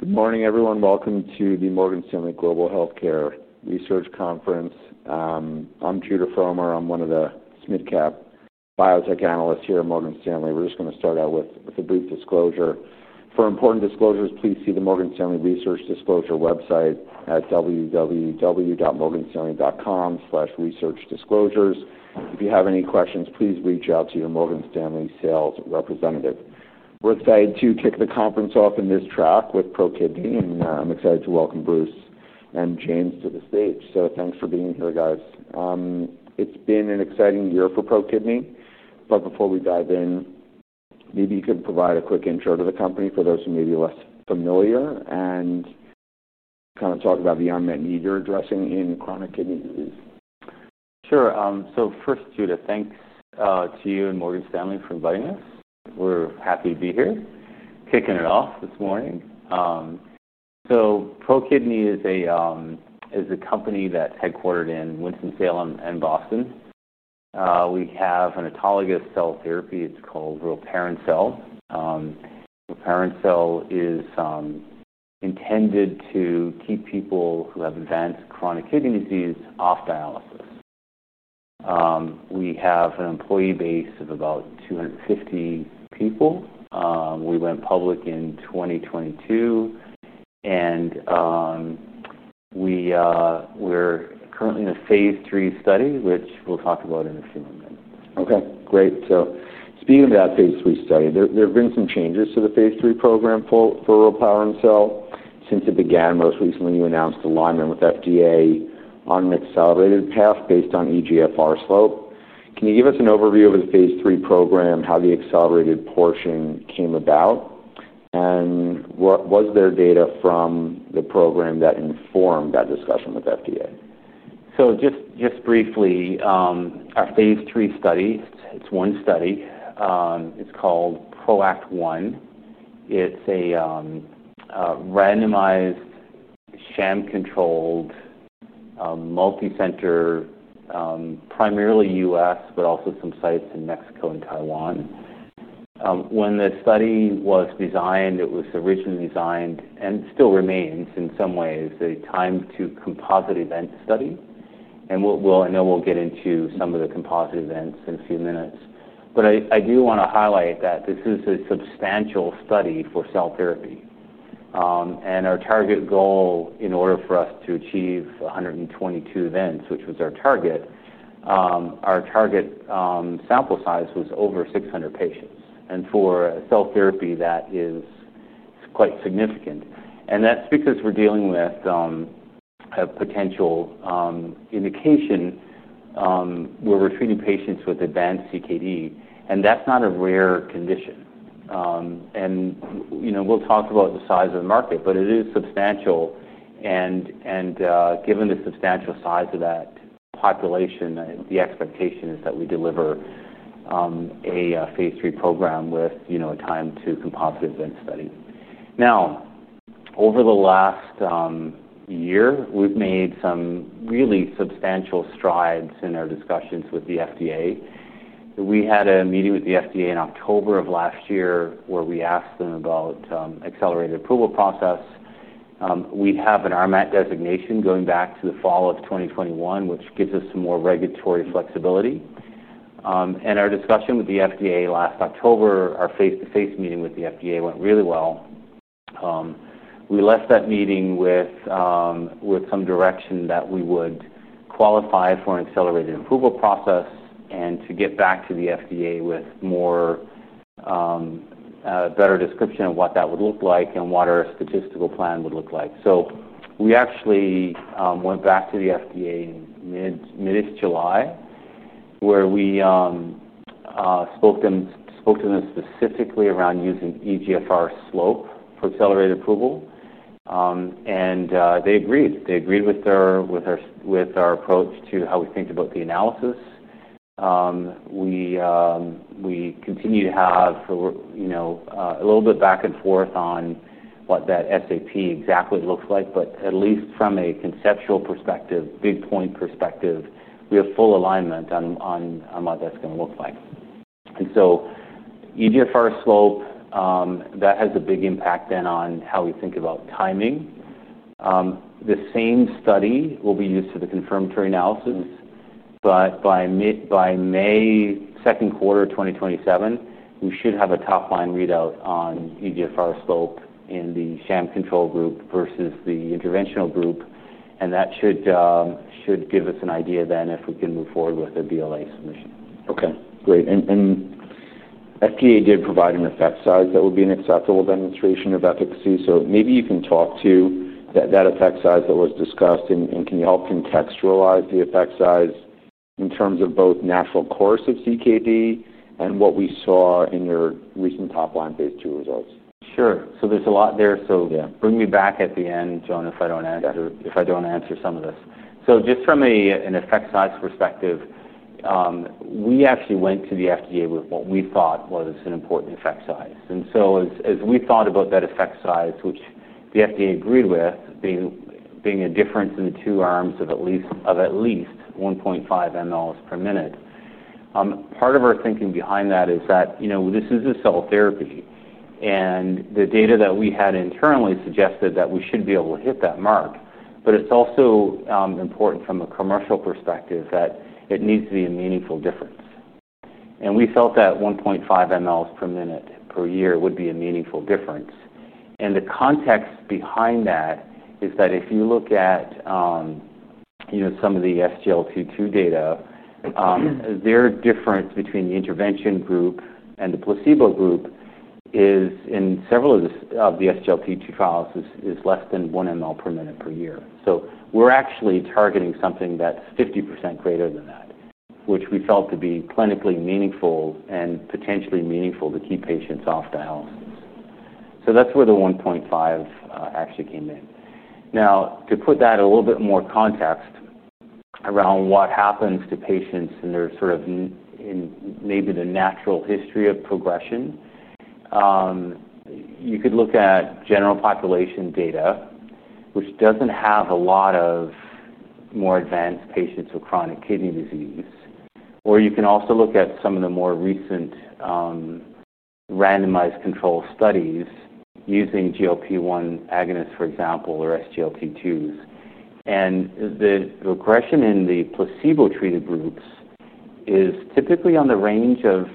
Good morning, everyone. Welcome to the Morgan Stanley Global Healthcare Research Conference. I'm Judah Frommer. I'm one of the SMIDCap biotech analysts here at Morgan Stanley. We're just going to start out with a brief disclosure. For important disclosures, please see the Morgan Stanley Research Disclosure website at www.morganstanley.com/researchdisclosures. If you have any questions, please reach out to your Morgan Stanley sales representative. We're excited to kick the conference off in this track with ProKidney, and I'm excited to welcome Bruce and James to the stage. Thanks for being here, guys. It's been an exciting year for ProKidney. Before we dive in, maybe you can provide a quick intro to the company for those who may be less familiar and kind of talk about the unmet need you're addressing in chronic kidney disease. Sure. First, Judah, thanks to you and Morgan Stanley for inviting us. We're happy to be here kicking it off this morning. ProKidney is a company that's headquartered in Winston-Salem and Boston. We have an autologous cell therapy. It's called Reparencel. Reparencel is intended to keep people who have advanced chronic kidney disease off dialysis. We have an employee base of about 250 people. We went public in 2022, and we're currently in a Phase III study, which we'll talk about in a few moments. Okay, great. Speaking of that Phase III study, there have been some changes to the Phase III program for Reparencel since it began. Most recently, you announced alignment with FDA on an accelerated path based on eGFR slope. Can you give us an overview of the Phase III program, how the accelerated portion came about, and was there data from the program that informed that discussion with FDA? Just briefly, our Phase III study is one study. It's called ProAct One. It's a randomized, sham-controlled, multicenter, primarily U.S., but also some sites in Mexico and Taiwan. When the study was designed, it was originally designed, and still remains in some ways, a time-to-composite event study. We will get into some of the composite events in a few minutes. I do want to highlight that this is a substantial study for cell therapy. Our target goal, in order for us to achieve 122 events, which was our target, our target sample size was over 600 patients. For a cell therapy, that is quite significant. That's because we're dealing with a potential indication where we're treating patients with advanced CKD. That's not a rare condition. We will talk about the size of the market, it is substantial. Given the substantial size of that population, the expectation is that we deliver a Phase III program with a time-to-composite event study. Over the last year, we've made some really substantial strides in our discussions with the FDA. We had a meeting with the FDA in October of last year where we asked them about the accelerated approval process. We have an RMAT designation going back to the fall of 2021, which gives us some more regulatory flexibility. Our discussion with the FDA last October, our face-to-face meeting with the FDA, went really well. We left that meeting with some direction that we would qualify for an accelerated approval process and to get back to the FDA with a better description of what that would look like and what our statistical plan would look like. `We actually went back to the FDA in mid-July, where we spoke to them specifically around using eGFR slope for accelerated approval. They agreed. They agreed with our approach to how we think about the analysis. We continue to have a little bit back and forth on what that SAP exactly looks like. At least from a conceptual perspective, big point perspective, we have full alignment on what that's going to look like. eGFR slope has a big impact then on how we think about timing. The same study will be used for the confirmatory analysis. By the second quarter of 2027, we should have a top-line readout on eGFR slope in the sham control group versus the interventional group. That should give us an idea then if we can move forward with a BLA submission. Okay, great. FDA did provide an effect size that would be an acceptable demonstration of efficacy. Maybe you can talk to that effect size that was discussed. Can you help contextualize the effect size in terms of both natural course of CKD and what we saw in your recent top-line Phase II results? Sure. There's a lot there. Bring me back at the end, John, if I don't answer some of this. Just from an effect size perspective, we actually went to the FDA with what we thought was an important effect size. As we thought about that effect size, which the FDA agreed with, being a difference in the two arms of at least 1.5 mls per minute, part of our thinking behind that is that this is a cell therapy. The data that we had internally suggested that we should be able to hit that mark. It's also important from a commercial perspective that it needs to be a meaningful difference. We felt that 1.5 mls per minute per year would be a meaningful difference. The context behind that is that if you look at some of the SGLT2 data, their difference between the intervention group and the placebo group in several of the SGLT2 trials is less than 1 ml per minute per year. We're actually targeting something that's 50% greater than that, which we felt to be clinically meaningful and potentially meaningful to keep patients off dialysis. That's where the 1.5 ml actually came in. Now, to put that in a little bit more context around what happens to patients and maybe the natural history of progression, you could look at general population data, which doesn't have a lot of more advanced patients with chronic kidney disease. You can also look at some of the more recent randomized control studies using GLP-1 agonists, for example, or SGLT2s. The regression in the placebo-treated groups is typically in the range of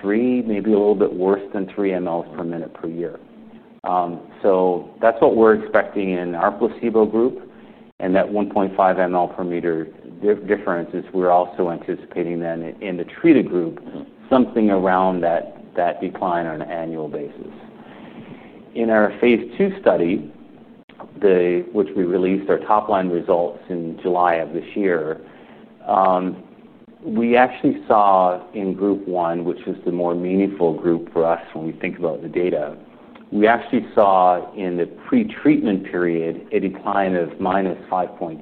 3, maybe a little bit worse than 3 mls per minute per year. That's what we're expecting in our placebo group. That 1.5 ml per minute difference is, we're also anticipating then in the treated group, something around that decline on an annual basis. In our Phase II study, which we released our top-line results in July of this year, we actually saw in group one, which is the more meaningful group for us when we think about the data, we actually saw in the pre-treatment period a decline of - 5.8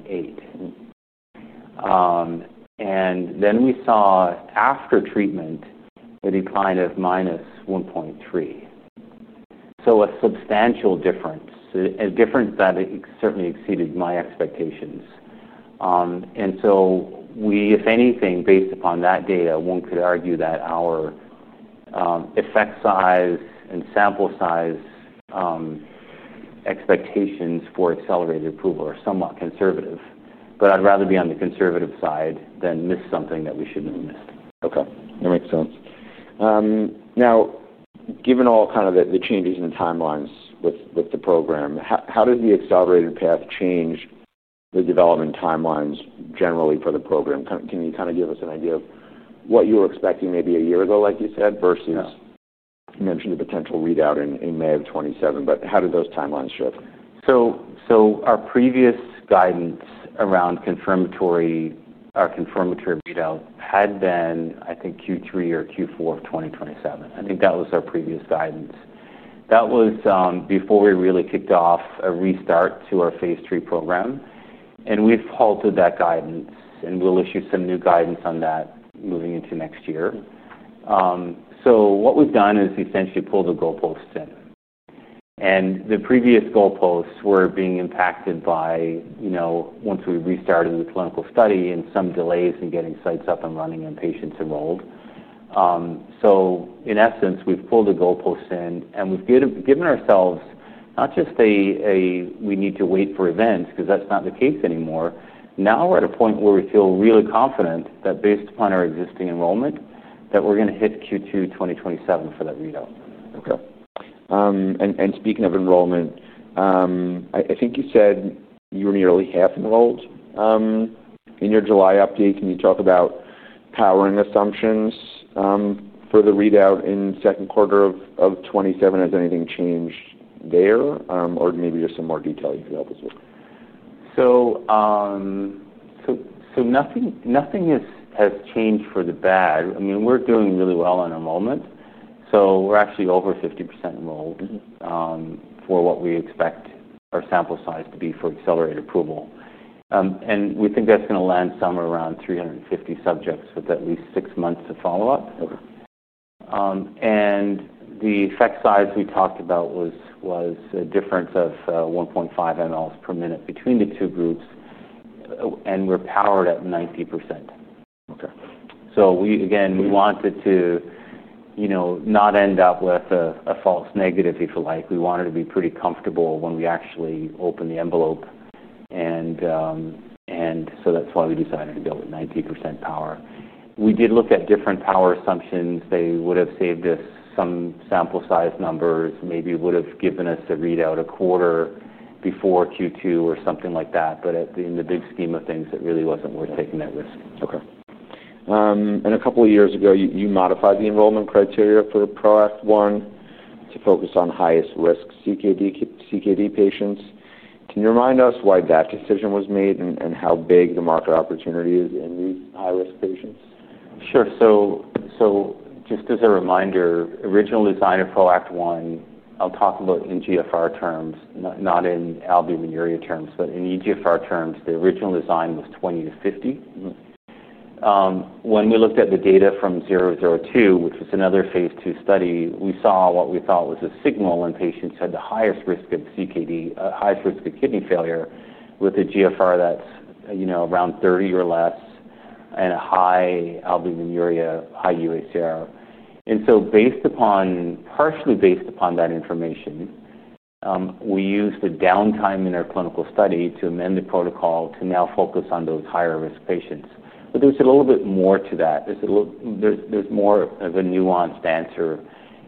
mls. Then we saw after treatment a decline of -1 .3 mls. A substantial difference, a difference that certainly exceeded my expectations. If anything, based upon that data, one could argue that our effect size and sample size expectations for accelerated approval are somewhat conservative. I'd rather be on the conservative side than miss something that we shouldn't have missed. Okay. That makes sense. Now, given all the changes in the timelines with the program, how did the accelerated path change the development timelines generally for the program? Can you give us an idea of what you were expecting maybe a year ago, like you said, versus you mentioned a potential readout in May of 2027, but how did those timelines shift? Our previous guidance around confirmatory readouts had been, I think, Q3 or Q4 of 2027. I think that was our previous guidance. That was before we really kicked off a restart to our Phase III program. We've halted that guidance, and we'll issue some new guidance on that moving into next year. What we've done is essentially pull the goalposts in. The previous goalposts were being impacted by, you know, once we restarted the clinical study and some delays in getting sites up and running and patients enrolled. In essence, we've pulled the goalposts in, and we've given ourselves not just a, we need to wait for events because that's not the case anymore. Now we're at a point where we feel really confident that based upon our existing enrollment, we're going to hit Q2 2027 for that readout. Okay. Speaking of enrollment, I think you said you were nearly half enrolled in your July update. Can you talk about powering assumptions for the readout in the second quarter of 2027? Has anything changed there, or maybe there's some more detail you can help us with? Nothing has changed for the bad. I mean, we're doing really well on enrollment. We're actually over 50% enrolled for what we expect our sample size to be for accelerated approval, and we think that's going to land somewhere around 350 subjects with at least six months of follow-up. The effect size we talked about was a difference of 1.5 mls per minute between the two groups, and we're powered at 90%. We wanted to, you know, not end up with a false negative, if you like. We wanted to be pretty comfortable when we actually opened the envelope, and that's why we decided to go with 90% power. We did look at different power assumptions. They would have saved us some sample size numbers, maybe would have given us a readout a quarter before Q2 or something like that. In the big scheme of things, it really wasn't worth taking that risk. Okay. A couple of years ago, you modified the enrollment criteria for the ProAct One to focus on highest risk CKD patients. Can you remind us why that decision was made and how big the market opportunity is in these high-risk patients? Sure. Just as a reminder, the original design of ProAct One, I'll talk about in eGFR terms, not in albuminuria terms, but in eGFR terms, the original design was 20%- 50%. When we looked at the data from 002, which was another Phase II study, we saw what we thought was a signal when patients had the highest risk of CKD, a highest risk of kidney failure with a GFR that's, you know, around 30% or less and a high albuminuria, high UACR. Partially based upon that information, we used the downtime in our clinical study to amend the protocol to now focus on those higher-risk patients. There's a little bit more to that. There's more of a nuanced answer.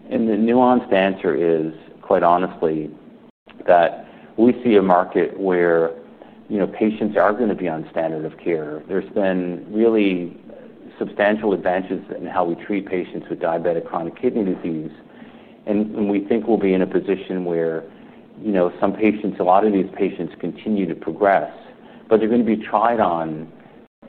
The nuanced answer is, quite honestly, that we see a market where patients are going to be on standard of care. There have been really substantial advances in how we treat patients with diabetic chronic kidney disease. We think we'll be in a position where some patients, a lot of these patients, continue to progress, but they're going to be tried on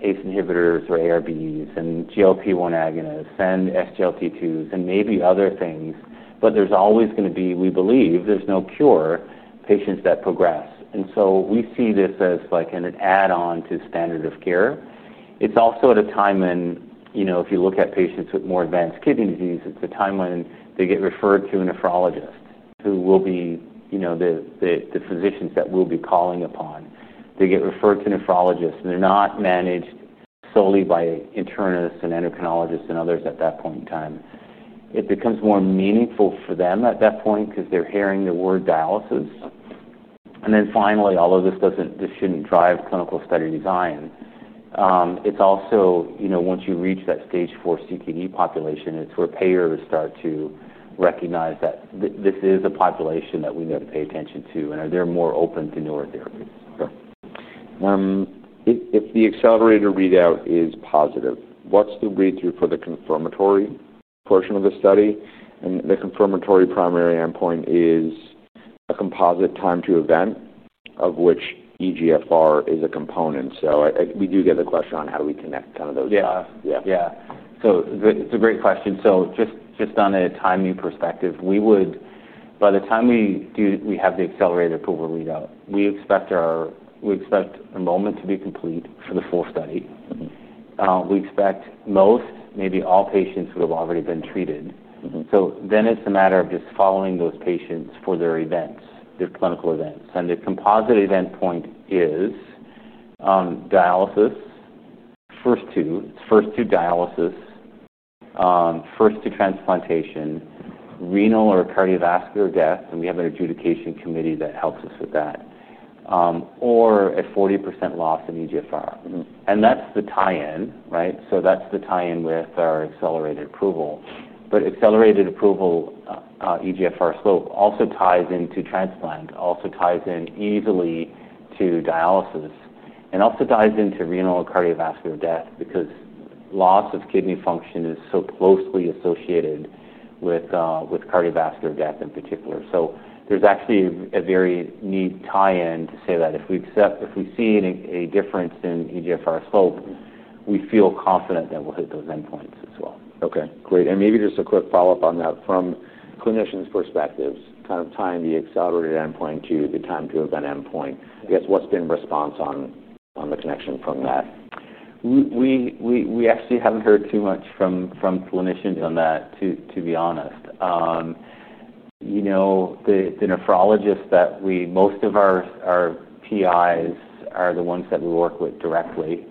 ACE inhibitors or ARBs, and GLP-1 agonists, and SGLT2s, and maybe other things. There's always going to be, we believe, there's no cure for patients that progress. We see this as like an add-on to standard of care. It's also at a time when, if you look at patients with more advanced kidney disease, it's a time when they get referred to a nephrologist who will be the physicians that we'll be calling upon. They get referred to a nephrologist, and they're not managed solely by internists and endocrinologists and others at that point in time. It becomes more meaningful for them at that point because they're hearing the word dialysis. Finally, although this shouldn't drive clinical study design, it's also, once you reach that stage four CKD population, it's where payers start to recognize that this is a population that we need to pay attention to and they're more open to newer therapies. Okay. If the accelerator readout is positive, what's the read through for the confirmatory portion of the study? The confirmatory primary endpoint is a composite time-to-event of which eGFR is a component. We do get the question on how do we connect kind of those things. Yeah. Yeah. It's a great question. Just on a timing perspective, by the time we have the accelerated approval readout, we expect enrollment to be complete for the full study. We expect most, maybe all, patients would have already been treated. It's a matter of just following those patients for their events, their clinical events. The composite event point is dialysis. It's first to dialysis, first to transplantation, renal or cardiovascular death, and we have an adjudication committee that helps us with that, or at 40% loss in eGFR. That's the tie-in, right? That's the tie-in with our accelerated approval. Accelerated approval, eGFR slope also ties into transplant, also ties in easily to dialysis, and also ties into renal or cardiovascular death because loss of kidney function is so closely associated with cardiovascular death in particular. There's actually a very neat tie-in to say that if we accept, if we see a difference in eGFR slope, we feel confident that we'll hit those endpoints as well. Okay, great. Maybe just a quick follow-up on that from clinicians' perspectives, kind of tying the accelerated endpoint to the time-to-event endpoint. I guess what's been the response on the connection from that? We actually haven't heard too much from clinicians on that, to be honest. The nephrologists that we, most of our PIs are the ones that we work with directly.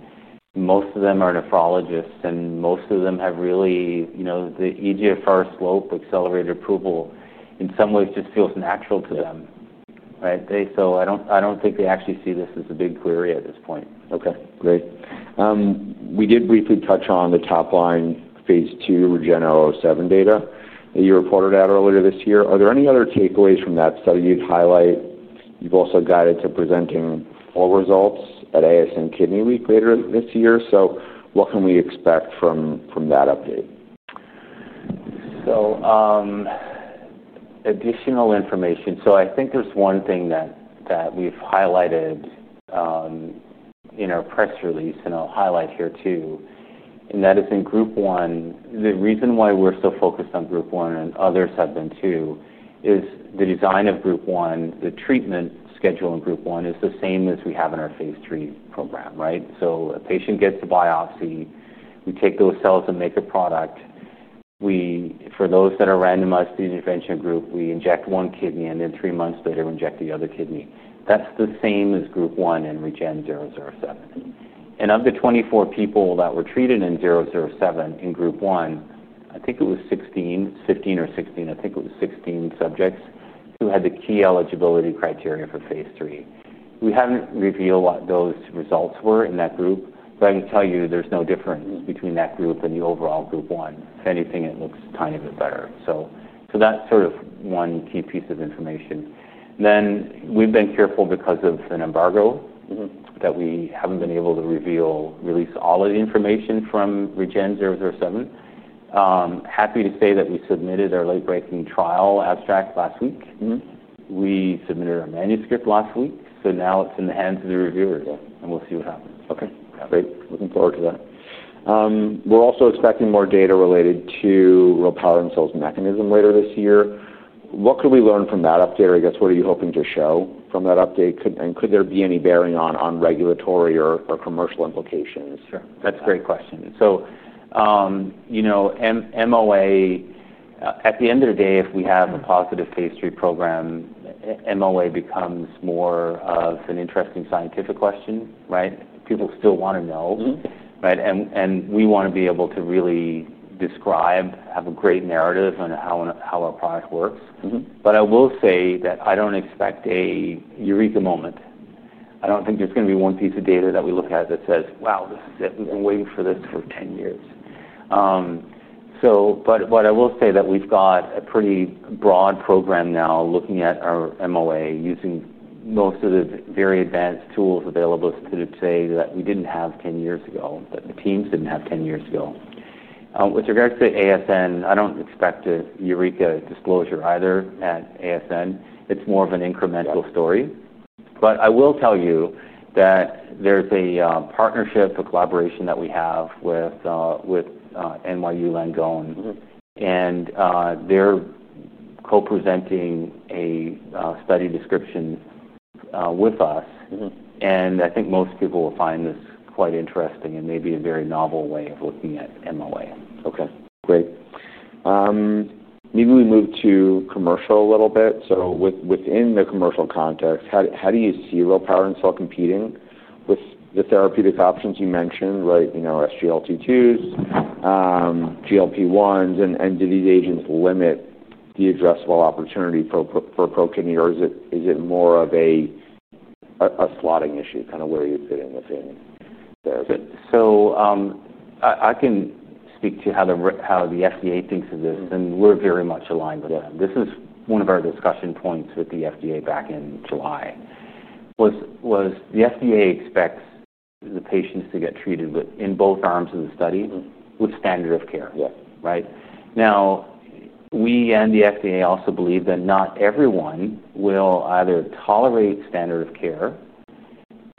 Most of them are nephrologists, and most of them have really, you know, the eGFR slope accelerated approval in some ways just feels natural to them. I don't think they actually see this as a big query at this point. Okay, great. We did briefly touch on the phase II REGEN-007 data that you reported out earlier this year. Are there any other takeaways from that study you'd highlight? You've also guided to presenting all results at ASN Kidney Week later this year. What can we expect from that update? Additional information. I think there's one thing that we've highlighted in our press release, and I'll highlight here too, and that is in group one. The reason why we're so focused on group one and others have been too is the design of group one, the treatment schedule in group one is the same as we have in our Phase III program, right? A patient gets a biopsy. We take those cells and make a product. For those that are randomized to the intervention group, we inject one kidney and then three months later inject the other kidney. That's the same as group one in REGEN-007. Of the 24 people that were treated in 007 in group one, I think it was 16, 15, or 16, I think it was 16 subjects who had the key eligibility criteria for Phase III. We haven't revealed what those results were in that group. I can tell you there's no difference between that group and the overall group one. If anything, it looks a tiny bit better. That's sort of one key piece of information. We've been careful because of an embargo that we haven't been able to release all of the information from REGEN-007. Happy to say that we submitted our late-breaking trial abstract last week. We submitted our manuscript last week. Now it's in the hands of the reviewers. We'll see what happens. Okay. Great. Looking forward to that. We're also expecting more data related to Reparencel's mechanism later this year. What could we learn from that update? What are you hoping to show from that update? Could there be any bearing on regulatory or commercial implications? Sure. That's a great question. You know, MOA, at the end of the day, if we have a positive Phase III program, MOA becomes more of an interesting scientific question, right? People still want to know, right? We want to be able to really describe, have a great narrative on how our product works. I will say that I don't expect a eureka moment. I don't think there's going to be one piece of data that we look at that says, "Wow, I've been waiting for this for 10 years." What I will say is that we've got a pretty broad program now looking at our MOA using most of the very advanced tools available today that we didn't have 10 years ago, that the teams didn't have 10 years ago. With regards to ASN, I don't expect a eureka disclosure either at ASN. It's more of an incremental story. I will tell you that there's a partnership, a collaboration that we have with NYU Langone, and they're co-presenting a study description with us. I think most people will find this quite interesting and maybe a very novel way of looking at MOA. Okay, great. Maybe we move to commercial a little bit. Within the commercial context, how do you see Reparencel competing with the therapeutic options you mentioned, right? You know, SGLT2s, GLP-1s, and do these agents limit the addressable opportunity for ProKidney? Is it more of a slotting issue, kind of where you're getting the feeling there? I can speak to how the FDA thinks of this, and we're very much aligned with them. This is one of our discussion points with the FDA back in July. The FDA expects the patients to get treated in both arms in the study with standard of care. We and the FDA also believe that not everyone will either tolerate standard of care,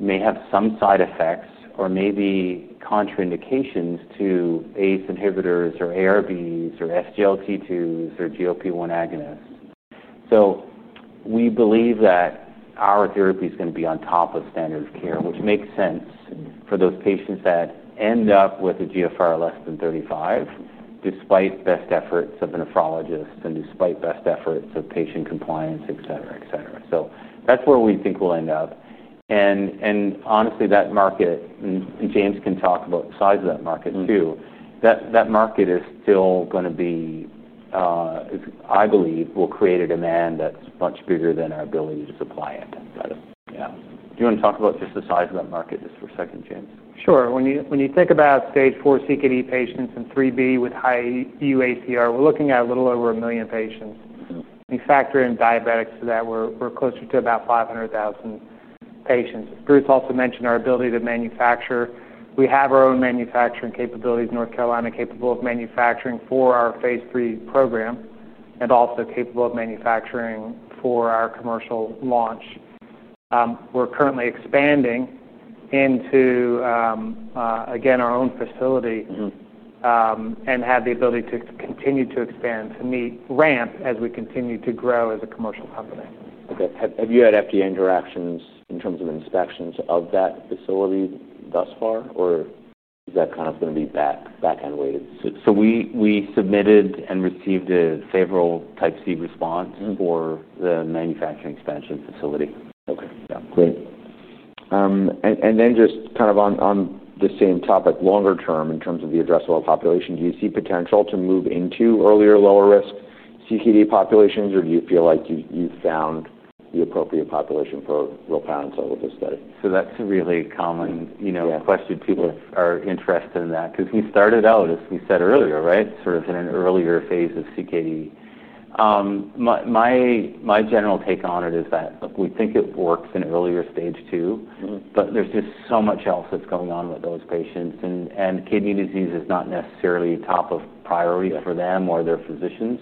may have some side effects, or maybe contraindications to ACE inhibitors or ARBs or SGLT2s or GLP-1 agonists. We believe that our therapy is going to be on top of standard of care, which makes sense for those patients that end up with a GFR less than 35, despite best efforts of the nephrologists and despite best efforts of patient compliance, etc., etc. That's where we think we'll end up. Honestly, that market, and James can talk about the size of that market too, that market is still going to be, I believe, will create a demand that's much bigger than our ability to supply it. Do you want to talk about just the size of that market just for a second, James? Sure. When you think about stage four CKD patients and 3B with high UACR, we're looking at a little over one million patients. We factor in diabetics for that, we're closer to about 500,000 patients. It's also mentioned our ability to manufacture. We have our own manufacturing capabilities in North Carolina, capable of manufacturing for our Phase III program and also capable of manufacturing for our commercial launch. We're currently expanding into, again, our own facility, and have the ability to continue to expand to meet ramp as we continue to grow as a commercial company. Okay. Have you had FDA interactions in terms of inspections of that facility thus far, or is that kind of going to be back-end weighted? We submitted and received a favorable Type C response for the manufacturing expansion facility. Okay. Great. Just kind of on the same topic, longer term in terms of the addressable population, do you see potential to move into earlier lower-risk CKD populations, or do you feel like you've found the appropriate population for Reparencel with this study? That's a really common question. People are interested in that because we started out, as we said earlier, right, sort of in an earlier phase of CKD. My general take on it is that we think it works in earlier stage two, but there's just so much else that's going on with those patients. Kidney disease is not necessarily top of priority for them or their physicians,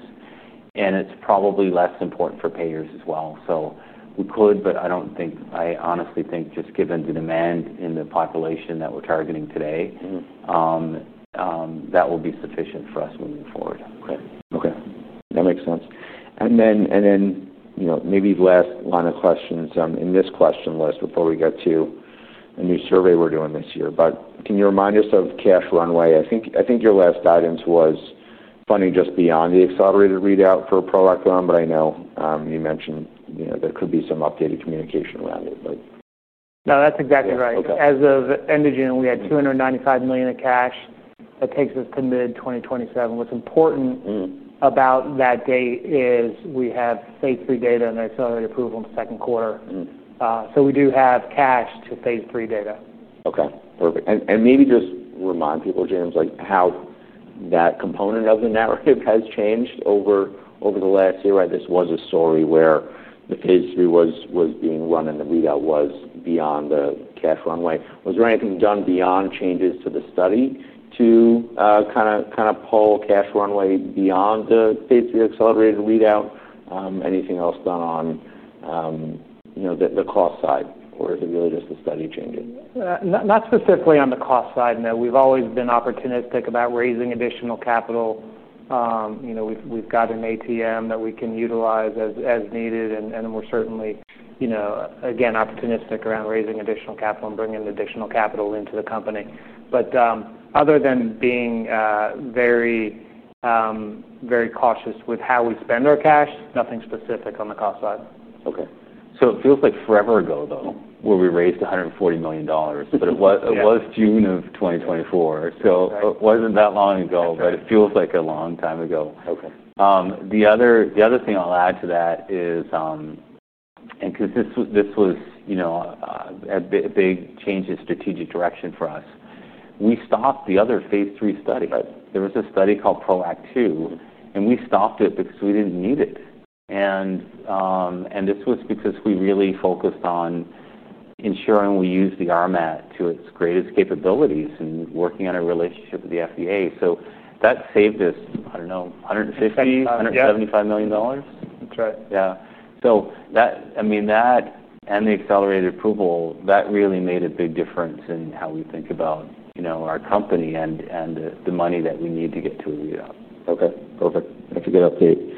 and it's probably less important for payers as well. We could, but I honestly think just given the demand in the population that we're targeting today, that will be sufficient for us moving forward. Okay. That makes sense. Maybe the last line of questions in this question list before we get to a new survey we're doing this year. Can you remind us of cash runway? I think your last guidance was funding just beyond the accelerated readout for ProAct One, but I know you mentioned there could be some updated communication around it. No, that's exactly right. As of end of June, we had $295 million of cash that takes us to mid-2027. What's important about that date is we have Phase III data and accelerated approval in the second quarter. We do have cash to Phase III data. Okay. Perfect. Maybe just remind people, James, how that component of the narrative has changed over the last year, right? This was a story where the Phase III was being run and the readout was beyond the cash runway. Was there anything done beyond changes to the study to pull cash runway beyond the Phase III accelerated readout? Anything else done on the cost side, or is it really just the study changing? Not specifically on the cost side. We've always been opportunistic about raising additional capital. We've got an ATM that we can utilize as needed. We're certainly, you know, again, opportunistic around raising additional capital and bringing additional capital into the company. Other than being very, very cautious with how we spend our cash, nothing specific on the cost side. Okay. It feels like forever ago, though, where we raised $140 million, but it was June of 2024. It wasn't that long ago, but it feels like a long time ago. The other thing I'll add to that is, because this was a big change in strategic direction for us, we stopped the other Phase III study. There was a study called ProAct Two, and we stopped it because we didn't need it. This was because we really focused on ensuring we use the RMAT to its greatest capabilities and working on a relationship with the FDA. That saved us, I don't know, $150 million, $175 million. That and the accelerated approval really made a big difference in how we think about our company and the money that we need to get to a readout. Perfect. That's a good update.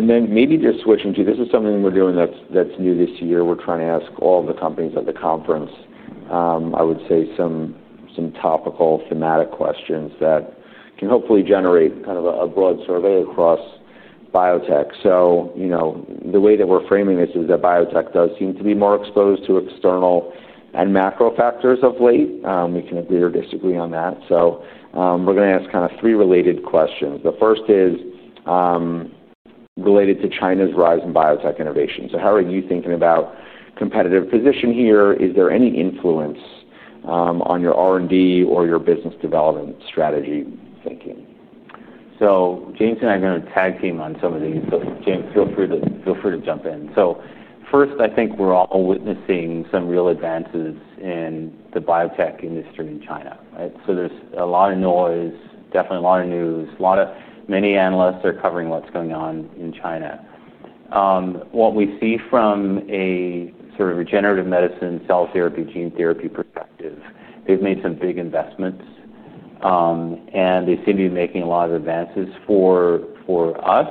Maybe just switching to something we're doing that's new this year. We're trying to ask all the companies at the conference some topical thematic questions that can hopefully generate kind of a broad survey across biotech. The way that we're framing this is that biotech does seem to be more exposed to external and macro factors of late. We can agree or disagree on that. We're going to ask three related questions. The first is related to China's rise in biotech innovation. How are you thinking about competitive position here? Is there any influence on your R&D or your business development strategy thinking? James and I are going to tag team on some of these. James, feel free to jump in. First, I think we're all witnessing some real advances in the biotech industry in China, right? There's a lot of noise, definitely a lot of news. Many analysts are covering what's going on in China. What we see from a regenerative medicine, cell therapy, gene therapy perspective, they've made some big investments, and they seem to be making a lot of advances. For us,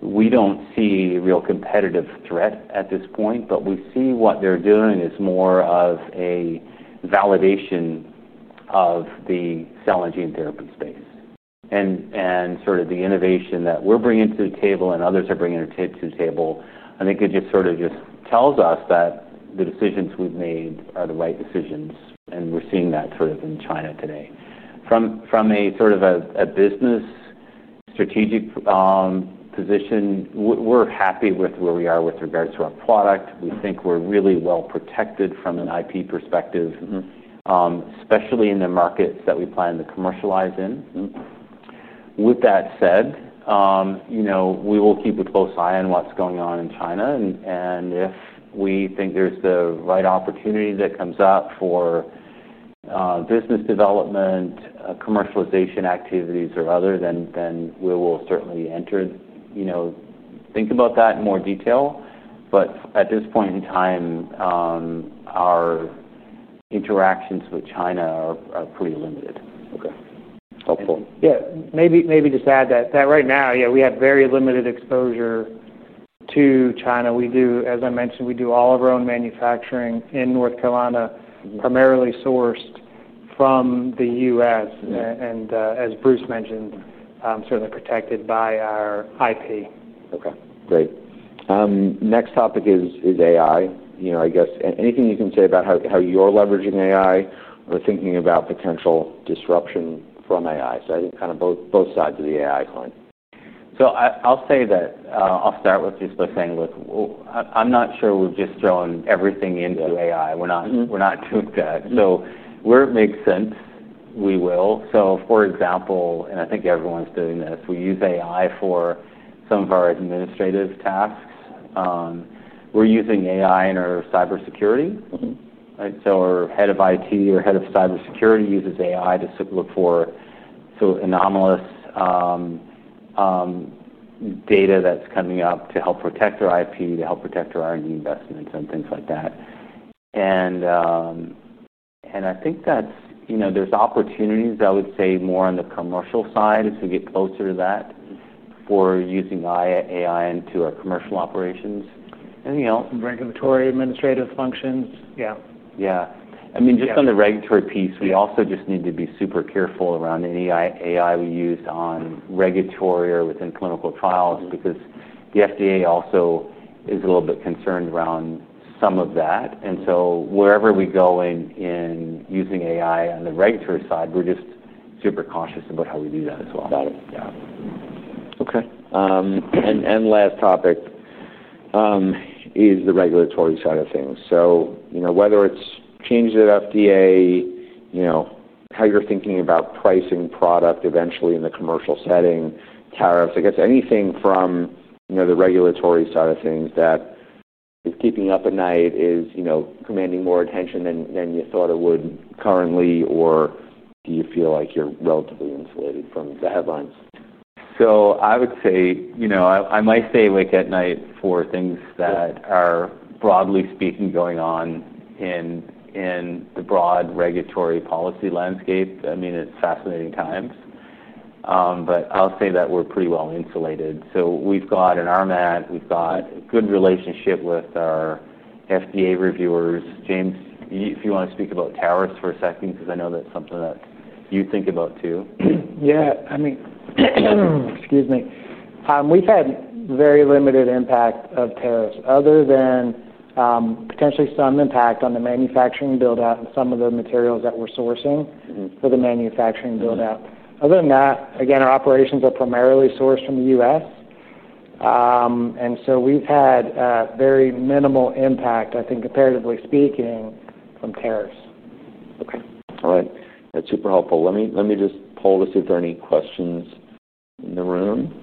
we don't see a real competitive threat at this point, but we see what they're doing as more of a validation of the cell and gene therapy space. The innovation that we're bringing to the table and others are bringing to the table just tells us that the decisions we've made are the right decisions. We're seeing that in China today. From a business strategic position, we're happy with where we are with regards to our product. We think we're really well protected from an IP perspective, especially in the markets that we plan to commercialize in. With that said, we will keep a close eye on what's going on in China, and if we think there's the right opportunity that comes up for business development, commercialization activities, or other, then we will certainly think about that in more detail. At this point in time, our interactions with China are pretty limited. Okay. Helpful. Maybe just add that right now, we have very limited exposure to China. We do, as I mentioned, all of our own manufacturing in North Carolina, primarily sourced from the U.S., and, as Bruce mentioned, certainly protected by our IP. Okay. Great. Next topic is AI. I guess anything you can say about how you're leveraging AI or thinking about potential disruption from AI. I think kind of both sides of the AI coin. I'll start with this thing with, I'm not sure we've just thrown everything into AI. We're not, we're not too good. Where it makes sense, we will. For example, and I think everyone's doing this, we use AI for some of our administrative tasks. We're using AI in our cybersecurity. Right. Our Head of IT or Head of Cybersecurity uses AI to look for anomalous data that's coming up to help protect our IP, to help protect our R&D investments and things like that. I think that's, you know, there's opportunities, I would say, more on the commercial side as we get closer to that for using AI into our commercial operations. You know, regulatory administrative functions. Yeah. Yeah. I mean, just on the regulatory piece, we also just need to be super careful around any AI we use on regulatory or within clinical trials because the FDA also is a little bit concerned around some of that. Wherever we go in using AI on the regulatory side, we're just super cautious about how we do that as well. Got it. Yeah. Okay. Last topic is the regulatory side of things. Whether it's changes at the FDA, how you're thinking about pricing product eventually in the commercial setting, tariffs, anything from the regulatory side of things that is keeping you up at night, is commanding more attention than you thought it would currently, or do you feel like you're relatively insulated from the headlines? I would say, you know, I might say wake at night for things that are broadly speaking going on in the broad regulatory policy landscape. It's fascinating times. I'll say that we're pretty well insulated. We've got an RMAT. We've got a good relationship with our FDA reviewers. James, if you want to speak about tariffs for a second, because I know that's something that you think about too. Yeah. I mean, I don't know. We've had very limited impact of tariffs other than potentially some impact on the manufacturing build-out and some of the materials that we're sourcing for the manufacturing build-out. Other than that, again, our operations are primarily sourced from the U.S., and so we've had very minimal impact, I think, comparatively speaking, from tariffs. Okay. All right. That's super helpful. Let me just poll to see if there are any questions in the room.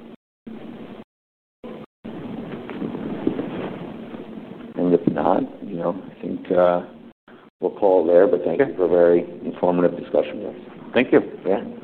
If not, I think we'll call there. Thank you for a very informative discussion. Thank you. Yeah.